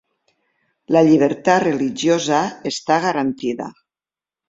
La llibertat religiosa està garantida.